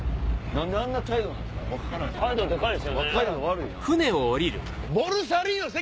何であんな態度なんすか？